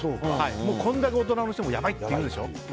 こんだけ大人もやばいって言うでしょ。